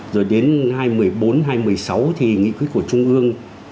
rồi đến hai nghìn một mươi bốn hai nghìn một mươi sáu thì nghị quyết của trung ương